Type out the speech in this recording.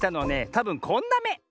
たぶんこんなめ。